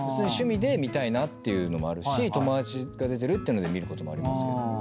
趣味で見たいなっていうのもあるし友達が出てるっていうので見ることもありますけど。